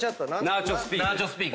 ナーチョスピーク。